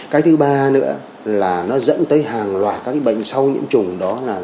cái thứ ba nữa là nó dẫn tới hàng loạt các cái bệnh sau nhiễm trùng đó là